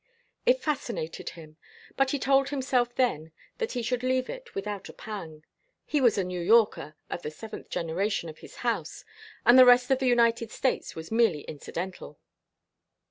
It fascinated him, but he told himself then that he should leave it without a pang. He was a New Yorker of the seventh generation of his house, and the rest of the United States of America was merely incidental.